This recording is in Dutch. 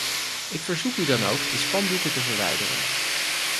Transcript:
Ik verzoek u dan ook de spandoeken te verwijderen.